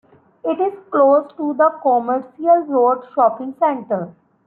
It is close to the Commercial Road shopping centre.